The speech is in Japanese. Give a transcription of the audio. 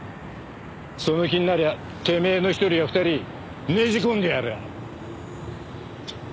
その気になりゃてめえの一人や二人ねじ込んでやる。